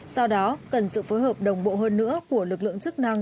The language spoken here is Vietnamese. do đó cần sự phối hợp đồng bộ hơn nữa của lực lượng chức năng